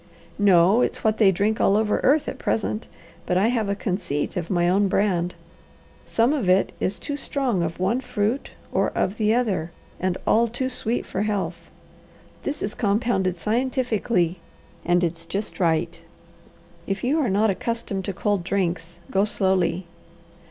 "No, it's what they drink all over earth at present, but I have a conceit of my own brand. Some of it is too strong of one fruit or of the other, and all too sweet for health. This is compounded scientifically and it's just right. If you are not accustomed to cold drinks, go slowly."